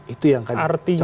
itu yang akan cowok presiden